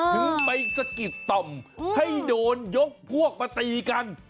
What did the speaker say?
ถึงไปสะกิดต่อมให้โดนยกพวกมาตีกัน